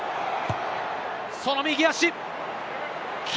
その右足！